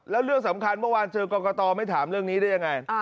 แล้วเรื่องสำคัญเมื่อวานเจอกรกตไม่ถามเรื่องนี้ได้ยังไง